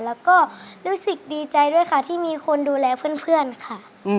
แล้วก็รู้สึกดีใจด้วยค่ะที่มีคนดูแลเพื่อนค่ะ